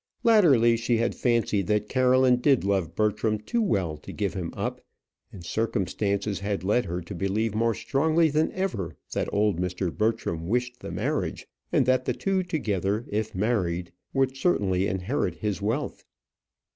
Latterly, she had fancied that Caroline did love Bertram too well to give him up; and circumstances had led her to believe more strongly than ever that old Mr. Bertram wished the marriage, and that the two together, if married, would certainly inherit his wealth.